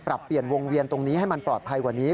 ปรับเปลี่ยนวงเวียนตรงนี้ให้มันปลอดภัยกว่านี้